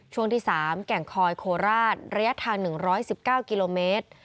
ช่วงที่๓แก่งคอยโคราชระยะทาง๑๑๙กิโลเมตร